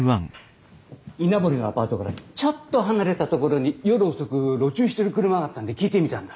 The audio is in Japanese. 稲森のアパートからちょっと離れた所に夜遅く路駐してる車があったんで聞いてみたんだ。